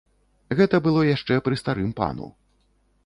Гэта было яшчэ пры старым пану.